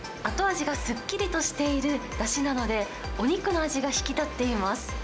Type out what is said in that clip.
後味がすっきりとしているだしなので、お肉の味が引き立っています。